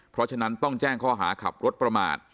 เพราะฉะนั้นต้องแจ้งข้อหาขับรถประมาท